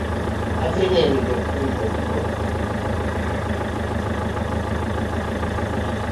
Adhi neno japuonj maduong'